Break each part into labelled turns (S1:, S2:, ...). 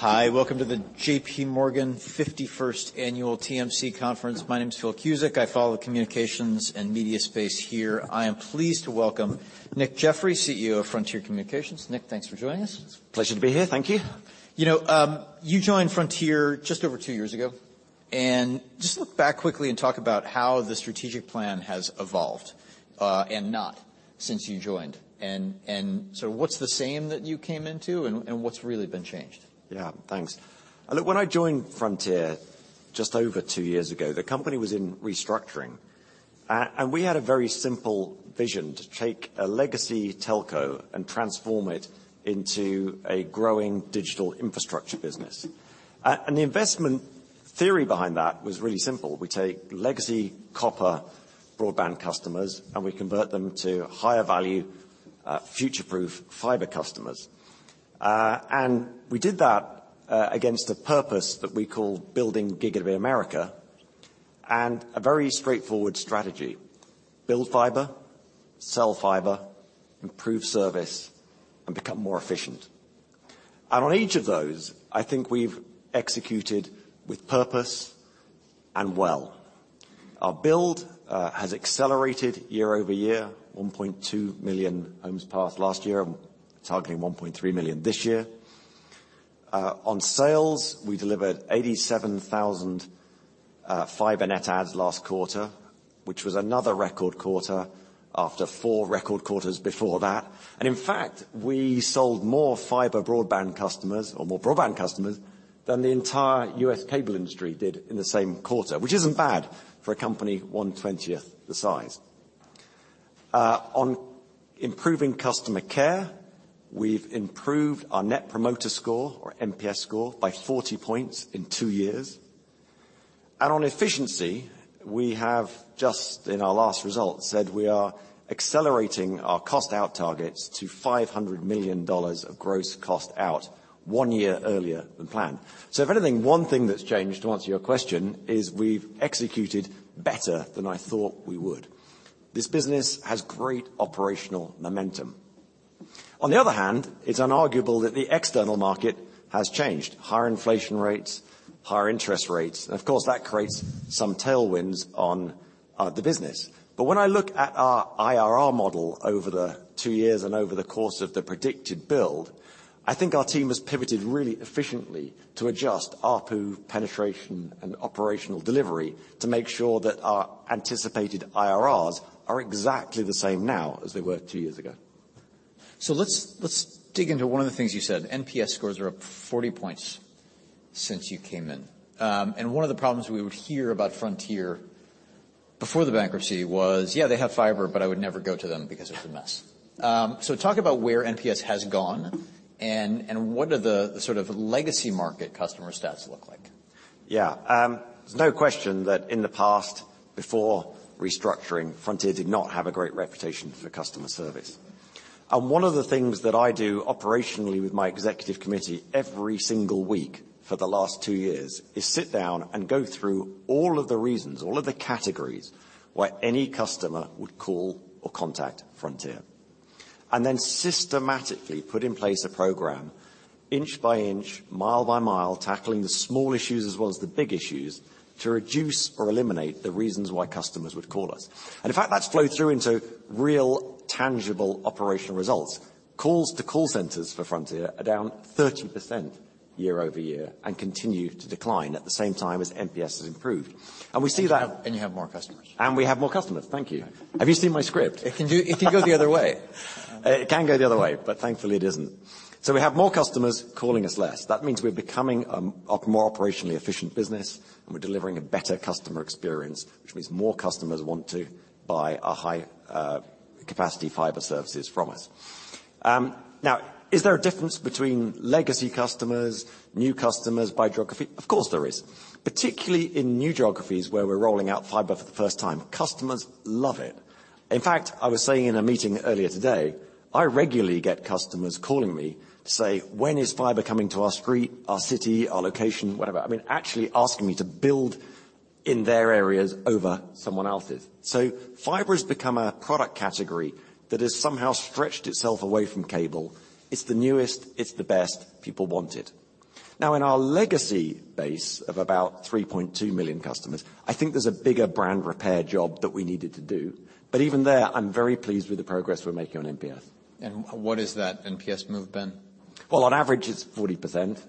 S1: Hi, welcome to the J.P. Morgan 51st Annual TMC Conference. My name is Phil Cusick. I follow the communications and media space here. I am pleased to welcome Nick Jeffery, CEO of Frontier Communications. Nick, thanks for joining us.
S2: Pleasure to be here. Thank you.
S1: You know, you joined Frontier just over two years ago. Just look back quickly and talk about how the strategic plan has evolved, and not since you joined. What's the same that you came into and what's really been changed?
S2: Yeah, thanks. Look, when I joined Frontier just over two years ago, the company was in restructuring. We had a very simple vision, to take a legacy telco and transform it into a growing digital infrastructure business. The investment theory behind that was really simple. We take legacy copper broadband customers, and we convert them to higher value, future-proof fiber customers. We did that against a purpose that we call Building Gigabit America, and a very straightforward strategy, build fiber, sell fiber, improve service, and become more efficient. On each of those, I think we've executed with purpose and well. Our build has accelerated year-over-year, 1.2 million homes passed last year. We're targeting 1.3 million this year. On sales, we delivered 87,000 fiber net adds last quarter, which was another record quarter after four record quarters before that. In fact, we sold more fiber broadband customers or more broadband customers than the entire U.S. cable industry did in the same quarter, which isn't bad for a company one-twentieth the size. On improving customer care, we've improved our Net Promoter Score or NPS score by 40 points in two years. On efficiency, we have, just in our last results, said we are accelerating our cost out targets to $500 million of gross cost out one year earlier than planned. If anything, one thing that's changed, to answer your question, is we've executed better than I thought we would. This business has great operational momentum. On the other hand, it's inarguable that the external market has changed. Higher inflation rates, higher interest rates, of course, that creates some tailwinds on the business. When I look at our IRR model over the two years and over the course of the predicted build, I think our team has pivoted really efficiently to adjust ARPU, penetration, and operational delivery to make sure that our anticipated IRRs are exactly the same now as they were two years ago.
S1: Let's dig into one of the things you said. NPS scores are up 40 points since you came in. One of the problems we would hear about Frontier before the bankruptcy was, "Yeah, they have fiber, but I would never go to them because it's a mess." Talk about where NPS has gone and what are the sort of legacy market customer stats look like.
S2: Yeah. There's no question that in the past, before restructuring, Frontier did not have a great reputation for customer service. One of the things that I do operationally with my executive committee every single week for the last two years is sit down and go through all of the reasons, all of the categories why any customer would call or contact Frontier. Then systematically put in place a program, inch by inch, mile by mile, tackling the small issues as well as the big issues to reduce or eliminate the reasons why customers would call us. In fact, that's flowed through into real, tangible operational results. Calls to call centers for Frontier are down 30% year-over-year and continue to decline at the same time as NPS has improved. We see that.
S1: You have more customers.
S2: We have more customers. Thank you. Have you seen my script?
S1: It can go the other way.
S2: It can go the other way, but thankfully it isn't. We have more customers calling us less. That means we're becoming a more operationally efficient business, and we're delivering a better customer experience, which means more customers want to buy a high capacity fiber services from us. Now is there a difference between legacy customers, new customers by geography? Of course, there is. Particularly in new geographies where we're rolling out fiber for the first time, customers love it. In fact, I was saying in a meeting earlier today, I regularly get customers calling me to say, "When is fiber coming to our street, our city, our location?" Whatever. I mean, actually asking me to build in their areas over someone else's. Fiber's become a product category that has somehow stretched itself away from cable. It's the newest, it's the best, people want it. In our legacy base of about 3.2 million customers, I think there's a bigger brand repair job that we needed to do. Even there, I'm very pleased with the progress we're making on NPS.
S1: What is that NPS move been?
S2: Well, on average, it's 40%,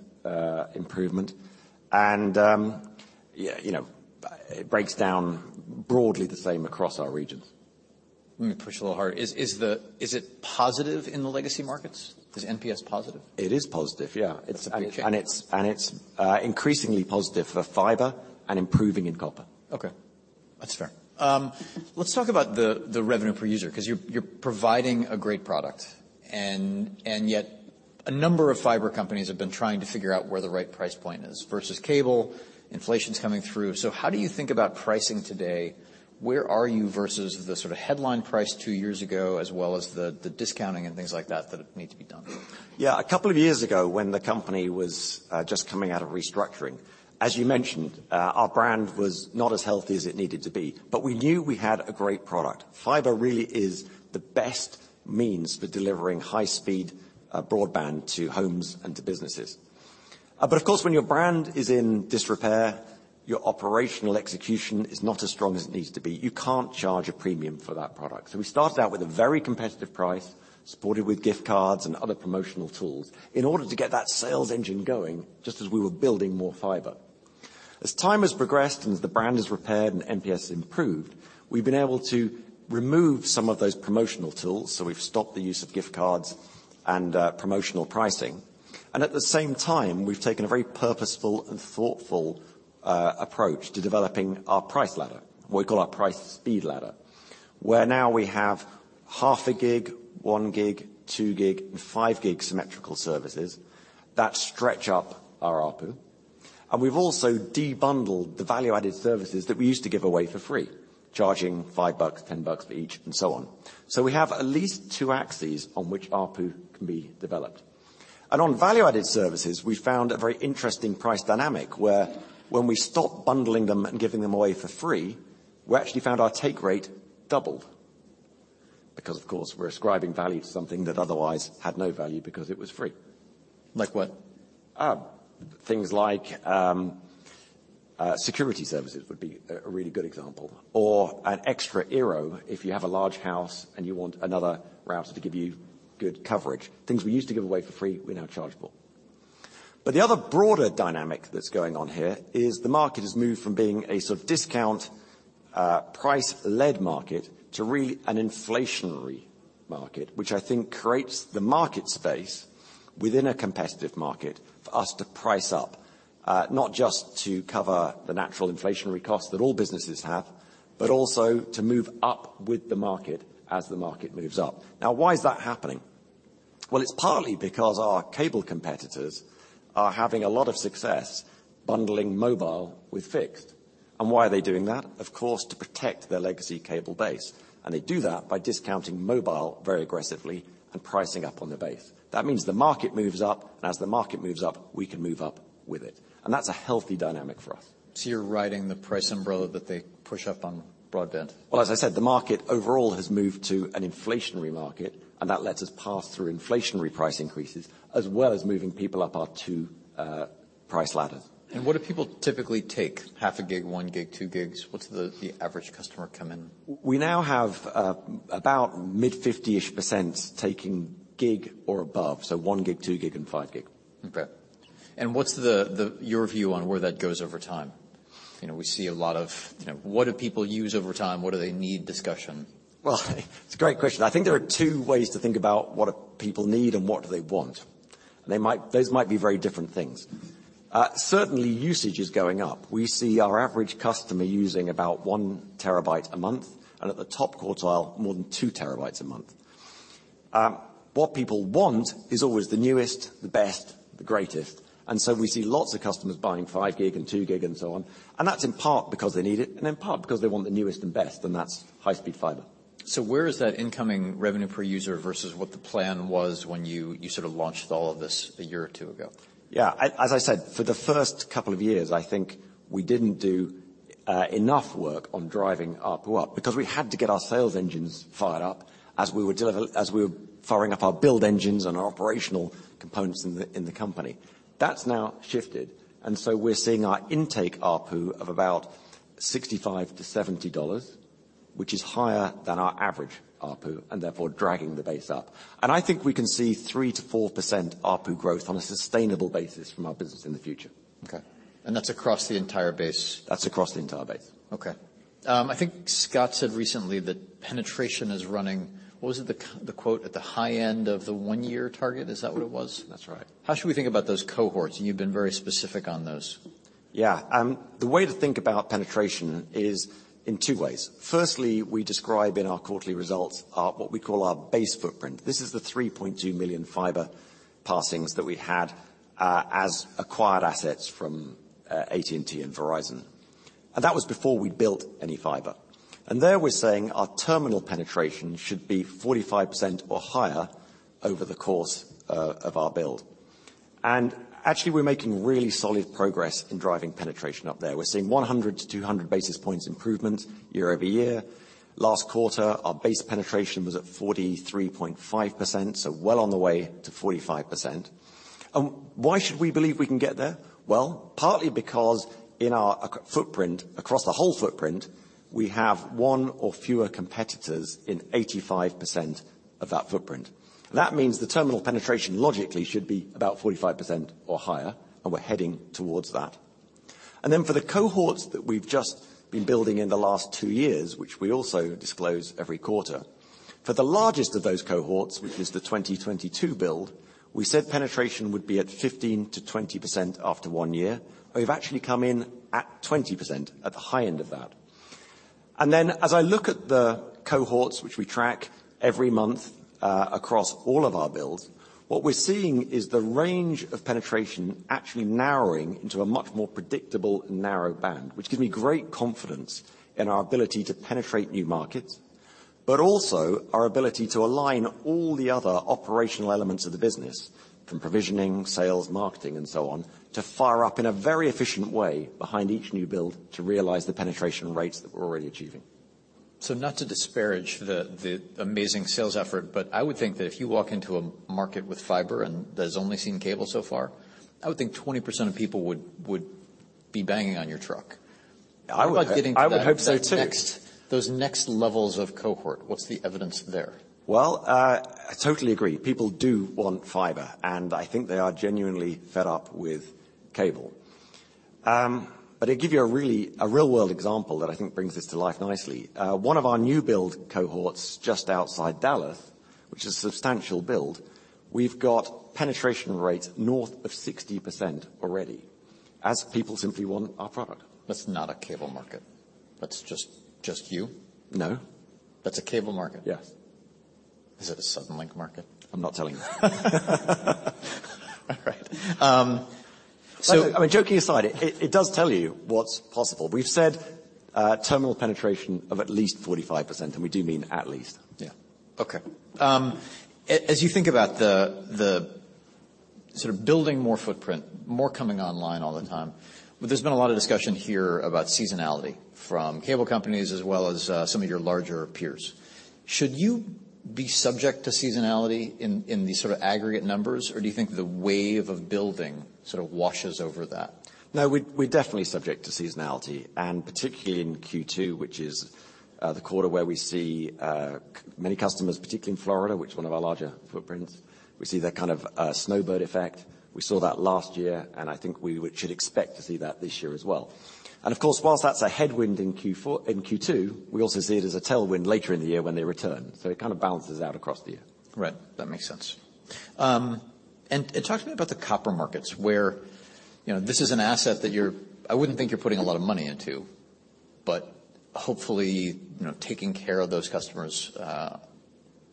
S2: improvement. Yeah, you know, it breaks down broadly the same across our regions.
S1: Let me push a little harder. Is it positive in the legacy markets? Is NPS positive?
S2: It is positive, yeah.
S1: That's a big change.
S2: It's increasingly positive for fiber and improving in copper.
S1: Okay. That's fair. Let's talk about the revenue per user, 'cause you're providing a great product, and yet a number of fiber companies have been trying to figure out where the right price point is versus cable. Inflation's coming through. How do you think about pricing today? Where are you versus the sort of headline price 2 years ago, as well as the discounting and things like that that need to be done?
S2: Yeah. A couple of years ago, when the company was just coming out of restructuring, as you mentioned, our brand was not as healthy as it needed to be, but we knew we had a great product. Fiber really is the best means for delivering high-speed broadband to homes and to businesses. Of course, when your brand is in disrepair, your operational execution is not as strong as it needs to be. You can't charge a premium for that product. We started out with a very competitive price, supported with gift cards and other promotional tools in order to get that sales engine going, just as we were building more fiber. As time has progressed, and as the brand has repaired and NPS improved, we've been able to remove some of those promotional tools. We've stopped the use of gift cards and promotional pricing. At the same time, we've taken a very purposeful and thoughtful approach to developing our price ladder. What we call our price speed ladder. Where now we have half a gig, one gig, two gig, and five gig symmetrical services that stretch up our ARPU. We've also de-bundled the value-added services that we used to give away for free, charging $5, $10 for each, and so on. We have at least two axes on which ARPU can be developed. On value-added services, we found a very interesting price dynamic, where when we stopped bundling them and giving them away for free, we actually found our take rate doubled because, of course, we're ascribing value to something that otherwise had no value because it was free.
S1: Like what?
S2: Things like security services would be a really good example or an extra Eero if you have a large house and you want another router to give you good coverage. Things we used to give away for free, we now charge for. The other broader dynamic that's going on here is the market has moved from being a sort of discount price-led market to really an inflationary market, which I think creates the market space within a competitive market for us to price up, not just to cover the natural inflationary costs that all businesses have, but also to move up with the market as the market moves up. Why is that happening? It's partly because our cable competitors are having a lot of success bundling mobile with fixed. Why are they doing that? To protect their legacy cable base, they do that by discounting mobile very aggressively and pricing up on the base. That means the market moves up. As the market moves up, we can move up with it. That's a healthy dynamic for us.
S1: You're riding the price umbrella that they push up on broadband.
S2: Well, as I said, the market overall has moved to an inflationary market, and that lets us pass through inflationary price increases as well as moving people up our 2 price ladders.
S1: What do people typically take? Half a gig, 1 gig, 2 gigs? What's the average customer come in?
S2: We now have, about mid-50-ish% taking gig or above, so 1 gig, 2 gig, and 5 gig.
S1: Okay. What's your view on where that goes over time? You know, we see a lot of, you know, what do people use over time. What do they need discussion.
S2: Well, it's a great question. I think there are two ways to think about what do people need and what do they want. Those might be very different things. Certainly usage is going up. We see our average customer using about 1 terabyte a month, and at the top quartile, more than 2 terabytes a month. What people want is always the newest, the best, the greatest. We see lots of customers buying 5 gig and 2 gig and so on. That's in part because they need it and in part because they want the newest and best, and that's high-speed fiber.
S1: Where is that incoming revenue per user versus what the plan was when you sort of launched all of this a year or two ago?
S2: Yeah. As I said, for the first couple of years, I think we didn't do enough work on driving ARPU up because we had to get our sales engines fired up as we were firing up our build engines and our operational components in the company. That's now shifted. We're seeing our intake ARPU of about $65-$70, which is higher than our average ARPU, and therefore dragging the base up. I think we can see 3%-4% ARPU growth on a sustainable basis from our business in the future.
S1: Okay. That's across the entire base?
S2: That's across the entire base.
S1: Okay. I think Scott said recently that penetration is running... What was it? The quote at the high end of the 1-year target. Is that what it was?
S2: That's right.
S1: How should we think about those cohorts? You've been very specific on those.
S2: Yeah. The way to think about penetration is in 2 ways. Firstly, we describe in our quarterly results our, what we call our base footprint. This is the 3.2 million fiber passings that we had as acquired assets from AT&T and Verizon. That was before we built any fiber. There we're saying our terminal penetration should be 45% or higher over the course of our build. Actually, we're making really solid progress in driving penetration up there. We're seeing 100 to 200 basis points improvement year-over-year. Last quarter, our base penetration was at 43.5%, well on the way to 45%. Why should we believe we can get there? Well, partly because in our footprint, across the whole footprint, we have 1 or fewer competitors in 85% of that footprint. That means the terminal penetration, logically, should be about 45% or higher. We're heading towards that. For the cohorts that we've just been building in the last 2 years, which we also disclose every quarter, for the largest of those cohorts, which is the 2022 build, we said penetration would be at 15%-20% after 1 year. We've actually come in at 20%, at the high end of that. As I look at the cohorts, which we track every month, across all of our builds, what we're seeing is the range of penetration actually narrowing into a much more predictable and narrow band, which gives me great confidence in our ability to penetrate new markets, but also our ability to align all the other operational elements of the business from provisioning, sales, marketing and so on, to fire up in a very efficient way behind each new build to realize the penetration rates that we're already achieving.
S1: Not to disparage the amazing sales effort, but I would think that if you walk into a market with fiber and that has only seen cable so far, I would think 20% of people would be banging on your truck.
S2: I would-
S1: How about getting to that next-
S2: I would hope so, too.
S1: Those next levels of cohort, what's the evidence there?
S2: Well, I totally agree. People do want fiber, and I think they are genuinely fed up with cable. To give you a real-world example that I think brings this to life nicely, one of our new build cohorts just outside Dallas, which is a substantial build, we've got penetration rates north of 60% already, as people simply want our product.
S1: That's not a cable market. That's just you?
S2: No.
S1: That's a cable market.
S2: Yes.
S1: Is it a Southern Linc market?
S2: I'm not telling you.
S1: All right.
S2: I mean, joking aside, it does tell you what's possible. We've said terminal penetration of at least 45%, we do mean at least.
S1: Yeah. Okay. As you think about the sort of building more footprint, more coming online all the time, there's been a lot of discussion here about seasonality from cable companies as well as some of your larger peers. Should you be subject to seasonality in these sort of aggregate numbers, or do you think the wave of building sort of washes over that?
S2: No, we're definitely subject to seasonality, and particularly in Q2, which is the quarter where we see many customers, particularly in Florida, which is one of our larger footprints. We see that kind of snowbird effect. We saw that last year, and I think we should expect to see that this year as well. Of course, whilst that's a headwind in Q2, we also see it as a tailwind later in the year when they return. It kind of balances out across the year.
S1: Right. That makes sense. Talk to me about the copper markets where, you know, this is an asset that I wouldn't think you're putting a lot of money into, but hopefully, you know, taking care of those customers,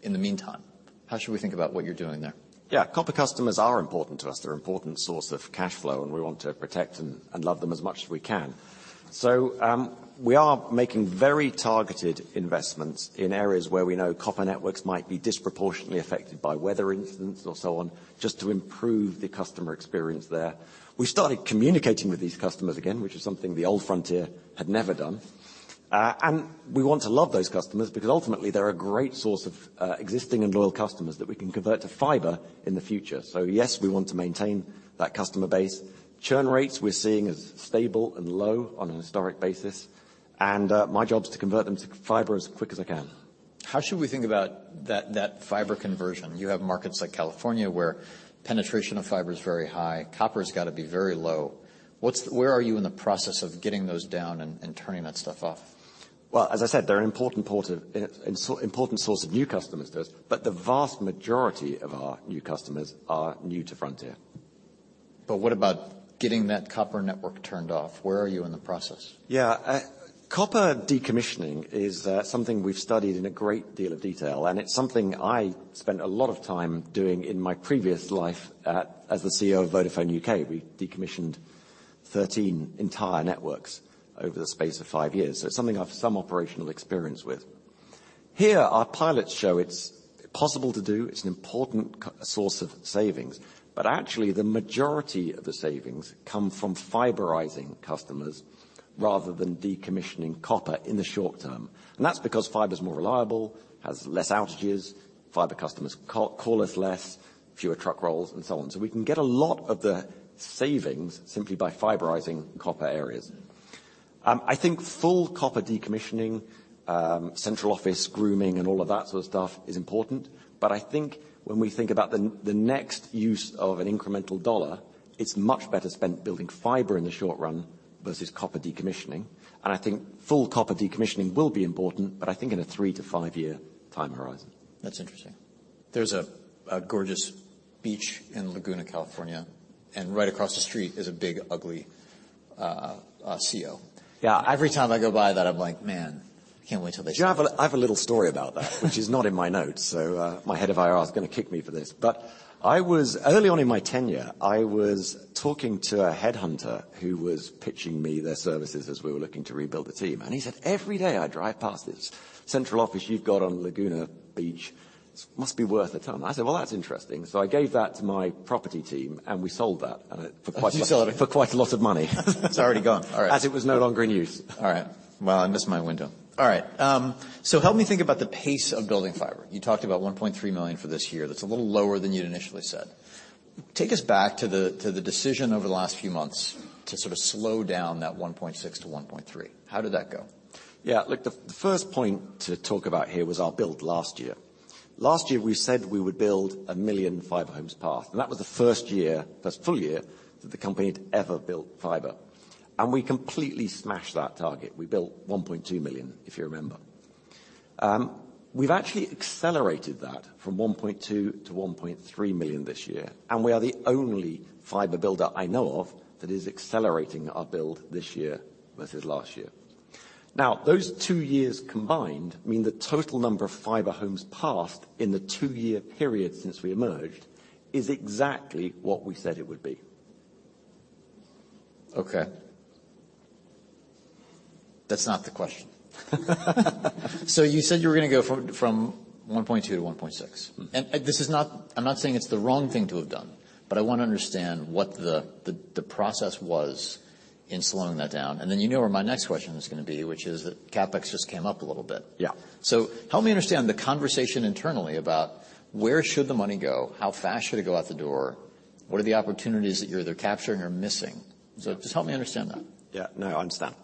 S1: in the meantime. How should we think about what you're doing there?
S2: Yeah. Copper customers are important to us. They're an important source of cash flow, and we want to protect and love them as much as we can. We are making very targeted investments in areas where we know copper networks might be disproportionately affected by weather incidents or so on, just to improve the customer experience there. We started communicating with these customers again, which is something the old Frontier had never done. We want to love those customers because ultimately they're a great source of existing and loyal customers that we can convert to fiber in the future. Yes, we want to maintain that customer base. Churn rates we're seeing is stable and low on a historic basis. My job is to convert them to fiber as quick as I can.
S1: How should we think about that fiber conversion? You have markets like California, where penetration of fiber is very high. Copper has got to be very low. Where are you in the process of getting those down and turning that stuff off?
S2: Well, as I said, they're an important source of new customers to us, but the vast majority of our new customers are new to Frontier.
S1: What about getting that copper network turned off? Where are you in the process?
S2: Yeah. copper decommissioning is something we've studied in a great deal of detail, and it's something I spent a lot of time doing in my previous life as the CEO of Vodafone UK. We decommissioned 13 entire networks over the space of five years. It's something I've some operational experience with. Here, our pilots show it's possible to do. It's an important source of savings. Actually, the majority of the savings come from fiberizing customers rather than decommissioning copper in the short term. That's because fiber is more reliable, has less outages, fiber customers call us less, fewer truck rolls, and so on. We can get a lot of the savings simply by fiberizing copper areas. I think full copper decommissioning, central office grooming, and all of that sort of stuff is important, but I think when we think about the next use of an incremental dollar, it's much better spent building fiber in the short run versus copper decommissioning. I think full copper decommissioning will be important, but I think in a 3 to 5-year time horizon.
S1: That's interesting. There's a gorgeous beach in Laguna, California, and right across the street is a big, ugly CO.
S2: Yeah.
S1: Every time I go by that, I'm like, "Man, I can't wait till they...
S2: Do you know, I have a little story about that- which is not in my notes. My head of IR is gonna kick me for this. Early on in my tenure, I was talking to a headhunter who was pitching me their services as we were looking to rebuild the team. He said, "Every day I drive past this central office you've got on Laguna Beach. It must be worth a ton." I said, "Well, that's interesting." I gave that to my property team, and we sold that. For quite-
S1: That's exciting.
S2: For quite a lot of money.
S1: It's already gone. All right.
S2: As it was no longer in use.
S1: All right. Well, I missed my window. All right. Help me think about the pace of building fiber. You talked about $1.3 million for this year. That's a little lower than you'd initially said. Take us back to the decision over the last few months to sort of slow down that $1.6 million to $1.3 million. How did that go?
S2: Yeah. Look, the first point to talk about here was our build last year. Last year, we said we would build 1 million fiber homes passed, and that was the first year, the first full year, that the company had ever built fiber. We completely smashed that target. We built 1.2 million, if you remember. We've actually accelerated that from 1.2 million to 1.3 million this year, and we are the only fiber builder I know of that is accelerating our build this year versus last year. Those two years combined mean the total number of fiber homes passed in the two-year period since we emerged is exactly what we said it would be.
S1: Okay. That's not the question. You said you were gonna go from 1.2 to 1.6.
S2: Mm-hmm.
S1: This is not I'm not saying it's the wrong thing to have done. I wanna understand what the, the process was in slowing that down. You know where my next question is gonna be, which is that CapEx just came up a little bit.
S2: Yeah.
S1: Help me understand the conversation internally about where should the money go, how fast should it go out the door, what are the opportunities that you're either capturing or missing? Just help me understand that.
S2: Yeah, no, I understand.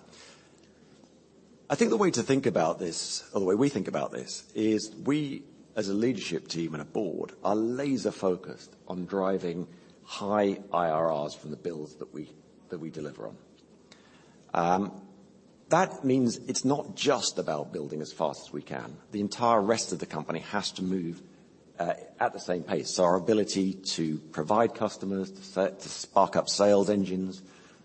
S2: I think the way to think about this or the way we think about this is we as a leadership team and a board are laser focused on driving high IRRs from the builds that we deliver on. That means it's not just about building as fast as we can. The entire rest of the company has to move at the same pace. Our ability to provide customers, to spark up sales engines,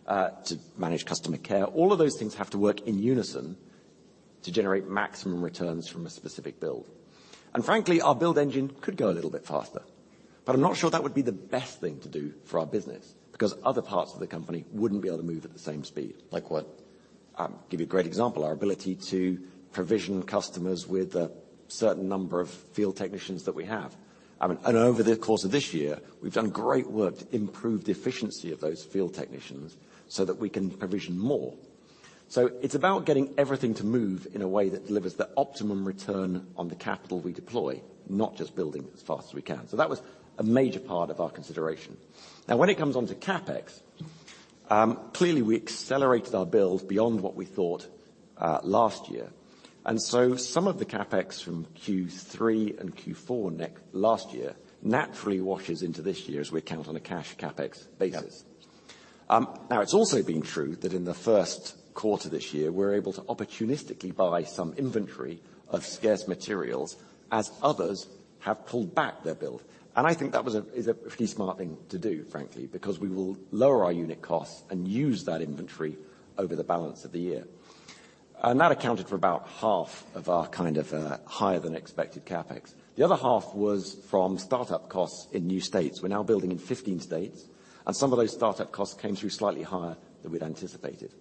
S2: to manage customer care, all of those things have to work in unison to generate maximum returns from a specific build. Frankly, our build engine could go a little bit faster, but I'm not sure that would be the best thing to do for our business, because other parts of the company wouldn't be able to move at the same speed. Like what? Give you a great example, our ability to provision customers with a certain number of field technicians that we have. I mean, over the course of this year, we've done great work to improve the efficiency of those field technicians so that we can provision more. It's about getting everything to move in a way that delivers the optimum return on the capital we deploy, not just building as fast as we can. That was a major part of our consideration. When it comes onto CapEx, clearly we accelerated our builds beyond what we thought last year. Some of the CapEx from Q3 and Q4 last year naturally washes into this year as we count on a cash CapEx basis.
S1: Yeah.
S2: Now it's also been true that in the first quarter this year, we're able to opportunistically buy some inventory of scarce materials as others have pulled back their build. I think that is a pretty smart thing to do, frankly, because we will lower our unit costs and use that inventory over the balance of the year. That accounted for about half of our kind of higher than expected CapEx. The other half was from startup costs in new states. We're now building in 15 states, and some of those startup costs came through slightly higher than we'd anticipated.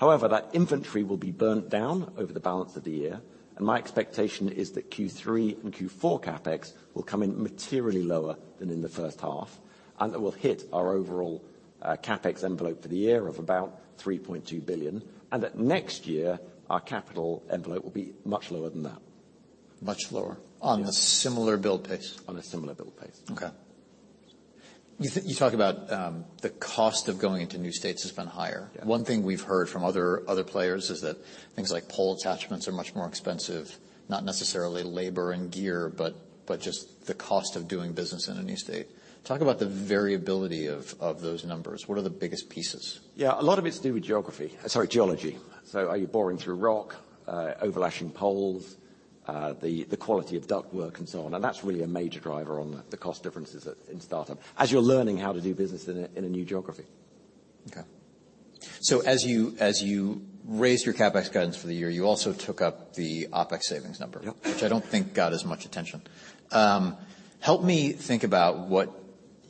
S2: That inventory will be burnt down over the balance of the year, and my expectation is that Q3 and Q4 CapEx will come in materially lower than in the first half and that we'll hit our overall CapEx envelope for the year of about $3.2 billion, and that next year our capital envelope will be much lower than that.
S1: Much lower?
S2: Yes.
S1: On a similar build pace?
S2: On a similar build pace.
S1: Okay. You talk about, the cost of going into new states has been higher.
S2: Yeah.
S1: One thing we've heard from other players is that things like pole attachments are much more expensive, not necessarily labor and gear, but just the cost of doing business in a new state. Talk about the variability of those numbers. What are the biggest pieces?
S2: Yeah. A lot of it's to do with geography. Sorry, geology. Are you boring through rock, over lashing poles, the quality of duct work and so on, and that's really a major driver on the cost differences at, in startup, as you're learning how to do business in a, in a new geography.
S1: Okay. as you raise your CapEx guidance for the year, you also took up the OpEx savings number.
S2: Yep...
S1: which I don't think got as much attention. Help me think about what,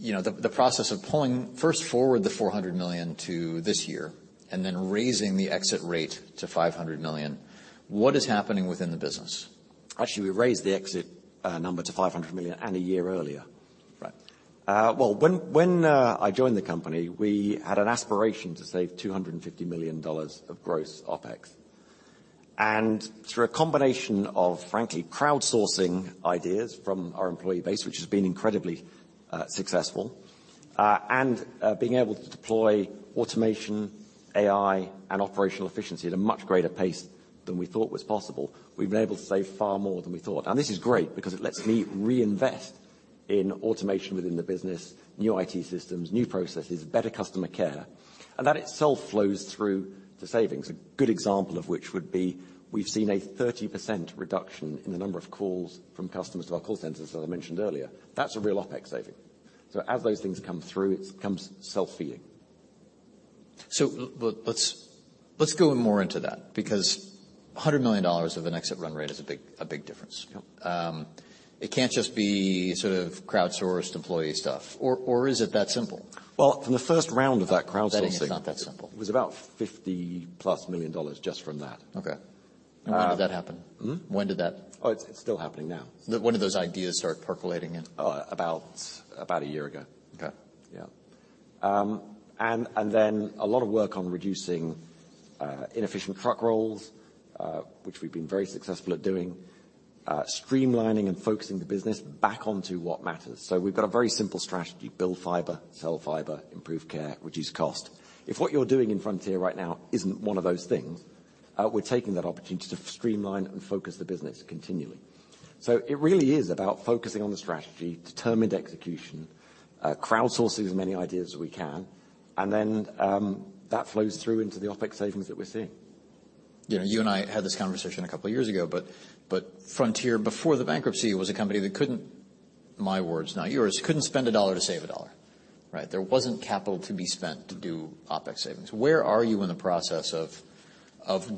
S1: you know, the process of pulling first forward the $400 million to this year and then raising the exit rate to $500 million. What is happening within the business?
S2: Actually, we raised the exit, number to $500 million and a year earlier.
S1: Right.
S2: Well, when I joined the company, we had an aspiration to save $250 million of gross OpEx. Through a combination of, frankly, crowdsourcing ideas from our employee base, which has been incredibly successful, and being able to deploy automation, AI, and operational efficiency at a much greater pace than we thought was possible, we've been able to save far more than we thought. This is great because it lets me reinvest in automation within the business, new IT systems, new processes, better customer care, and that itself flows through to savings, a good example of which would be we've seen a 30% reduction in the number of calls from customers to our call centers, as I mentioned earlier. That's a real OpEx saving. As those things come through, it becomes self-feeding.
S1: Let's go more into that because $100 million of an exit run rate is a big difference.
S2: Yep.
S1: It can't just be sort of crowdsourced employee stuff or is it that simple?
S2: Well, from the first round of that crowdsourcing.
S1: Betting it's not that simple....
S2: it was about $50+ million just from that.
S1: Okay.
S2: Uh-
S1: When did that happen?
S2: Hmm?
S1: When did that?
S2: Oh, it's still happening now.
S1: When do those ideas start percolating in?
S2: about a year ago.
S1: Okay.
S2: Yeah. A lot of work on reducing inefficient truck rolls, which we've been very successful at doing, streamlining and focusing the business back onto what matters. We've got a very simple strategy: build fiber, sell fiber, improve care, reduce cost. If what you're doing in Frontier right now isn't one of those things, we're taking that opportunity to streamline and focus the business continually. It really is about focusing on the strategy, determined execution, crowdsourcing as many ideas as we can, and then that flows through into the OpEx savings that we're seeing.
S1: You know, you and I had this conversation a couple of years ago, but Frontier before the bankruptcy was a company that couldn't, my words, not yours, couldn't spend $1 to save $1, right? There wasn't capital to be spent to do OpEx savings. Where are you in the process of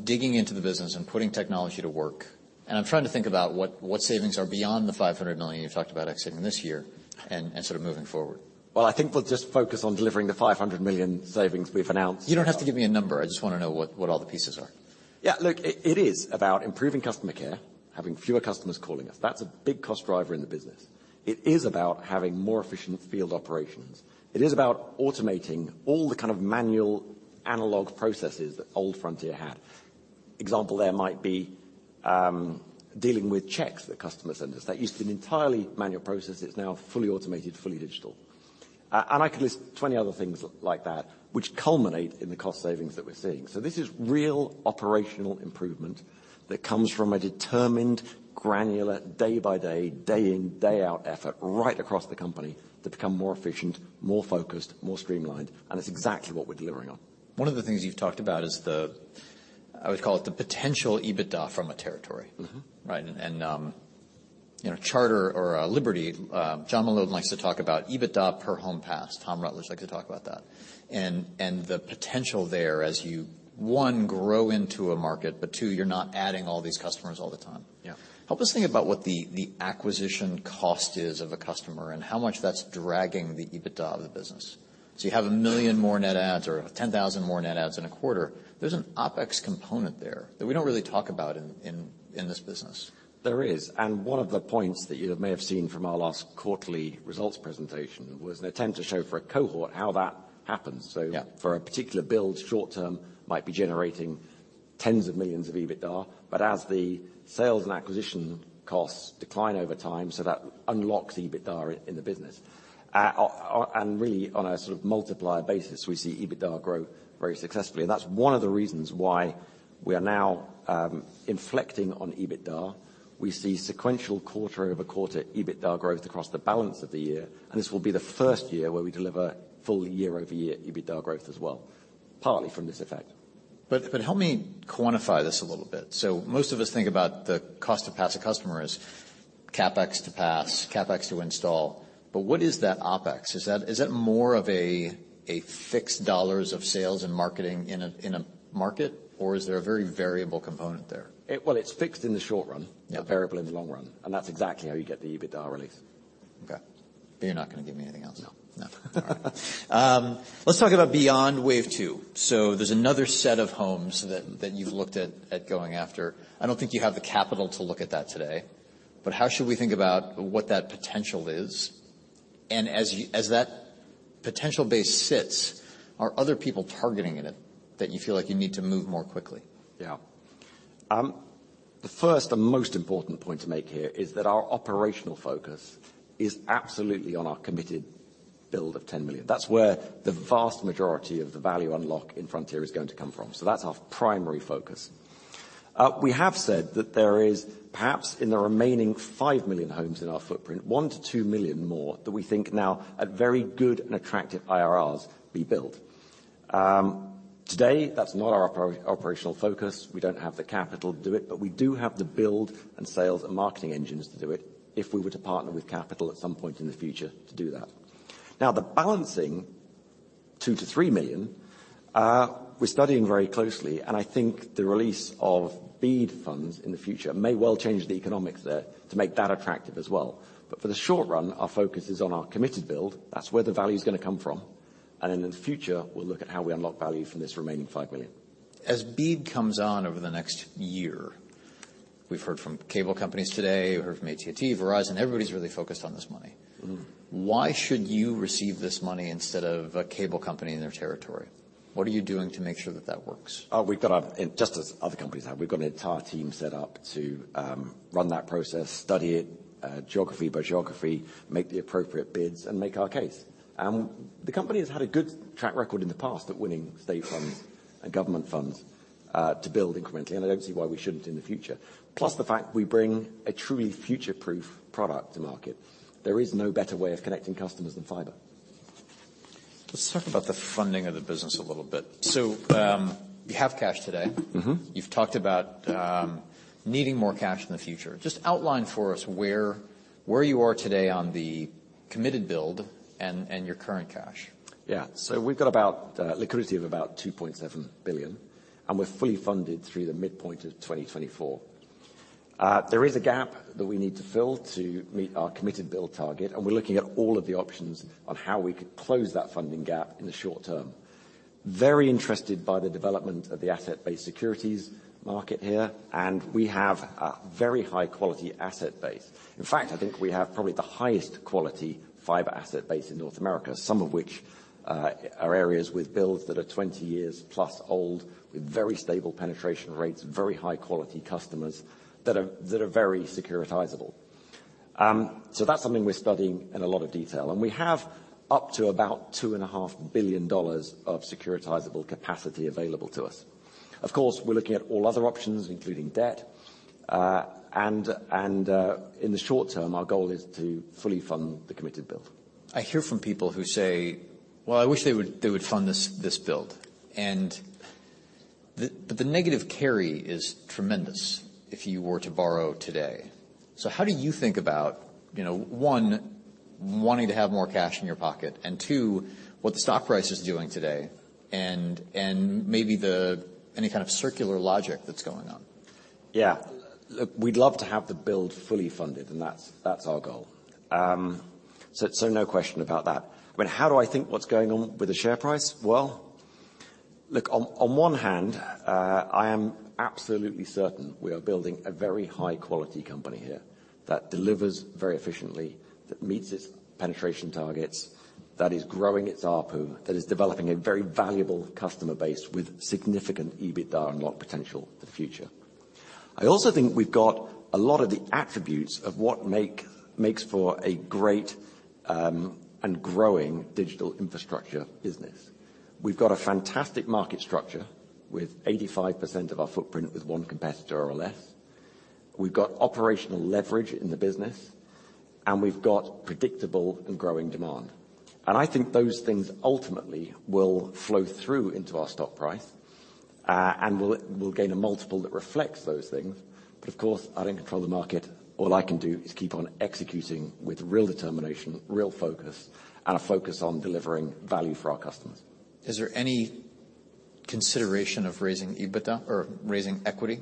S1: digging into the business and putting technology to work? I'm trying to think about what savings are beyond the $500 million you've talked about exiting this year and sort of moving forward.
S2: Well, I think we'll just focus on delivering the $500 million savings we've announced.
S1: You don't have to give me a number. I just wanna know what all the pieces are.
S2: Look, it is about improving customer care, having fewer customers calling us. That's a big cost driver in the business. It is about having more efficient field operations. It is about automating all the kind of manual analog processes that old Frontier had. Example there might be dealing with checks that customers send us. That used to be an entirely manual process. It's now fully automated, fully digital. And I could list 20 other things like that which culminate in the cost savings that we're seeing. This is real operational improvement that comes from a determined, granular, day-by-day, day in, day out effort right across the company to become more efficient, more focused, more streamlined, and it's exactly what we're delivering on.
S1: One of the things you've talked about is the, I would call it the potential EBITDA from a territory.
S2: Mm-hmm.
S1: Right. you know, Charter or Liberty, John Malone likes to talk about EBITDA per home pass. Tom Rutledge likes to talk about that. The potential there as you, one, grow into a market, but two, you're not adding all these customers all the time.
S2: Yeah.
S1: Help us think about what the acquisition cost is of a customer and how much that's dragging the EBITDA of the business. You have 1 million more net adds or 10,000 more net adds in a quarter, there's an OpEx component there that we don't really talk about in this business.
S2: There is. One of the points that you may have seen from our last quarterly results presentation was an attempt to show for a cohort how that happens.
S1: Yeah.
S2: For a particular build short term might be generating $ tens of millions of EBITDA, but as the sales and acquisition costs decline over time, so that unlocks EBITDA in the business. Really on a sort of multiplier basis, we see EBITDA grow very successfully. That's one of the reasons why we are now inflicting on EBITDA. We see sequential quarter-over-quarter EBITDA growth across the balance of the year, and this will be the first year where we deliver full year-over-year EBITDA growth as well, partly from this effect.
S1: Help me quantify this a little bit. Most of us think about the cost to pass a customer as CapEx to pass, CapEx to install. What is that OpEx? Is that more of a fixed dollars of sales and marketing in a market, or is there a very variable component there?
S2: Well, it's fixed in the short run.
S1: Yeah
S2: ...but variable in the long run, and that's exactly how you get the EBITDA release.
S1: Okay. You're not gonna give me anything else?
S2: No.
S1: No. Let's talk about beyond wave two. There's another set of homes that you've looked at going after. I don't think you have the capital to look at that today, but how should we think about what that potential is? As that potential base sits, are other people targeting in it that you feel like you need to move more quickly?
S2: Yeah. The first and most important point to make here is that our operational focus is absolutely on our committed build of 10 million. That's where the vast majority of the value unlock in Frontier is going to come from. That's our primary focus. We have said that there is perhaps in the remaining 5 million homes in our footprint, 1 million-2 million more that we think now at very good and attractive IRRs be built. Today, that's not our operational focus. We don't have the capital to do it, but we do have the build and sales and marketing engines to do it if we were to partner with capital at some point in the future to do that. Now, the balancing 2 million-3 million, we're studying very closely. I think the release of BEAD funds in the future may well change the economics there to make that attractive as well. For the short run, our focus is on our committed build. That's where the value is gonna come from. In the future, we'll look at how we unlock value from this remaining 5 million.
S1: As BEAD comes on over the next year, we've heard from cable companies today, we've heard from AT&T, Verizon, everybody's really focused on this money.
S2: Mm-hmm.
S1: Why should you receive this money instead of a cable company in their territory? What are you doing to make sure that that works?
S2: Just as other companies have, we've got an entire team set up to run that process, study it, geography by geography, make the appropriate bids and make our case. The company has had a good track record in the past at winning state funds and government funds to build incrementally, and I don't see why we shouldn't in the future. The fact we bring a truly future-proof product to market. There is no better way of connecting customers than fiber.
S1: Let's talk about the funding of the business a little bit. You have cash today.
S2: Mm-hmm.
S1: You've talked about needing more cash in the future. Just outline for us where you are today on the committed build and your current cash.
S2: We've got about liquidity of about $2.7 billion, and we're fully funded through the midpoint of 2024. There is a gap that we need to fill to meet our committed build target, and we're looking at all of the options on how we could close that funding gap in the short term. Very interested by the development of the asset-backed securities market here, and we have a very high quality asset base. In fact, I think we have probably the highest quality fiber asset base in North America, some of which are areas with builds that are 20 years plus old, with very stable penetration rates, very high quality customers that are very securitizable. That's something we're studying in a lot of detail. We have up to about two and a half billion dollars of securitizable capacity available to us. Of course, we're looking at all other options, including debt. In the short term, our goal is to fully fund the committed build.
S1: I hear from people who say, "Well, I wish they would fund this build." The negative carry is tremendous if you were to borrow today. How do you think about, you know, 1, wanting to have more cash in your pocket, and 2, what the stock price is doing today and maybe any kind of circular logic that's going on
S2: Yeah. Look, we'd love to have the build fully funded, and that's our goal. No question about that. How do I think what's going on with the share price? Well, look, on one hand, I am absolutely certain we are building a very high quality company here that delivers very efficiently, that meets its penetration targets, that is growing its ARPU, that is developing a very valuable customer base with significant EBITDA unlock potential in the future. I also think we've got a lot of the attributes of what makes for a great and growing digital infrastructure business. We've got a fantastic market structure with 85% of our footprint with one competitor or less. We've got operational leverage in the business, and we've got predictable and growing demand. I think those things ultimately will flow through into our stock price, and we'll gain a multiple that reflects those things. Of course, I don't control the market. All I can do is keep on executing with real determination, real focus, and a focus on delivering value for our customers.
S1: Is there any consideration of raising EBITDA or raising equity?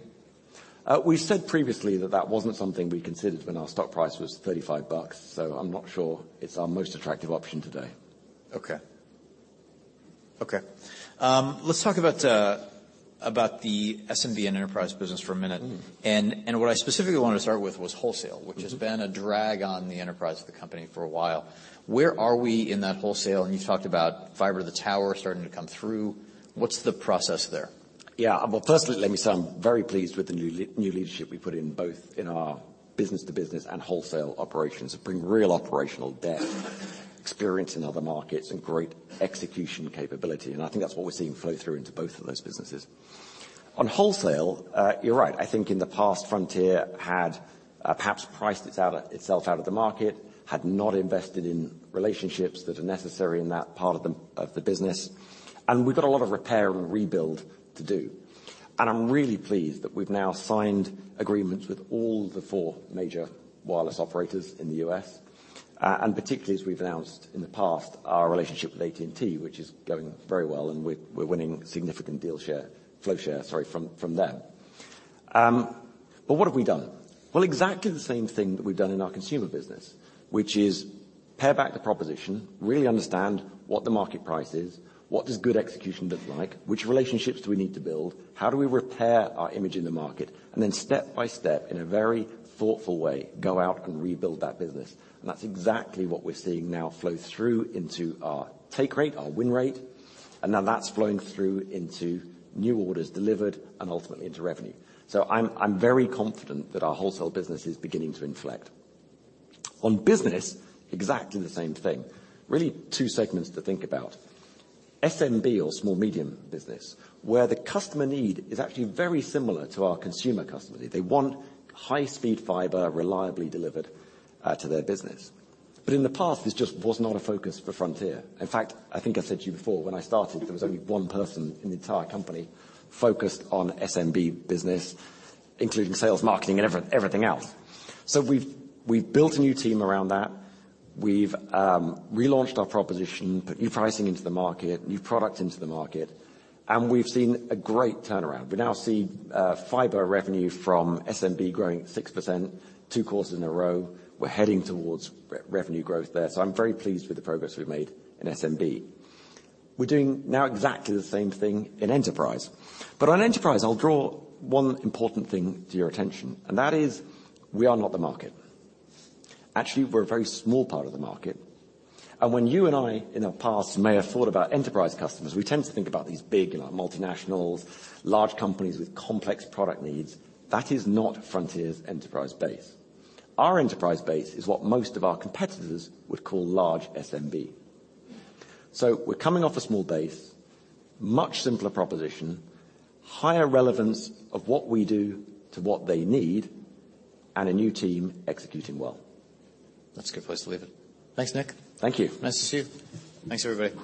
S2: We've said previously that that wasn't something we considered when our stock price was $35, so I'm not sure it's our most attractive option today.
S1: Okay. Okay. Let's talk about the SMB and enterprise business for a minute.
S2: Mm-hmm.
S1: What I specifically want to start with was wholesale-
S2: Mm-hmm.
S1: which has been a drag on the enterprise of the company for a while. Where are we in that wholesale? You've talked about fiber to the tower starting to come through. What's the process there?
S2: Yeah. Well, firstly, let me say I'm very pleased with the new leadership we put in, both in our business to business and wholesale operations to bring real operational depth, experience in other markets and great execution capability. I think that's what we're seeing flow through into both of those businesses. On wholesale, you're right. I think in the past, Frontier had perhaps priced itself out of the market, had not invested in relationships that are necessary in that part of the business. We've got a lot of repair and rebuild to do. I'm really pleased that we've now signed agreements with all the four major wireless operators in the U.S. Particularly as we've announced in the past, our relationship with AT&T, which is going very well, and we're winning significant flow share, sorry, from them. What have we done? Well, exactly the same thing that we've done in our consumer business, which is pare back the proposition, really understand what the market price is, what does good execution look like, which relationships do we need to build, how do we repair our image in the market, and then step by step, in a very thoughtful way, go out and rebuild that business. That's exactly what we're seeing now flow through into our take rate, our win rate, and now that's flowing through into new orders delivered and ultimately into revenue. I'm very confident that our wholesale business is beginning to inflect. On business, exactly the same thing. Really two segments to think about. SMB or small medium business, where the customer need is actually very similar to our consumer customer need. They want high speed fiber reliably delivered to their business. In the past, this just was not a focus for Frontier. In fact, I think I said to you before, when I started, there was only one person in the entire company focused on SMB business, including sales, marketing, and everything else. We've built a new team around that. We've relaunched our proposition, put new pricing into the market, new product into the market, and we've seen a great turnaround. We now see fiber revenue from SMB growing at 6% two quarters in a row. We're heading towards re-revenue growth there. I'm very pleased with the progress we've made in SMB. We're doing now exactly the same thing in enterprise. On enterprise, I'll draw one important thing to your attention, and that is we are not the market. Actually, we're a very small part of the market. When you and I in the past may have thought about enterprise customers, we tend to think about these big, you know, multinationals, large companies with complex product needs. That is not Frontier's enterprise base. Our enterprise base is what most of our competitors would call large SMB. We're coming off a small base, much simpler proposition, higher relevance of what we do to what they need, and a new team executing well.
S1: That's a good place to leave it. Thanks, Nick.
S2: Thank you.
S1: Nice to see you. Thanks, everybody.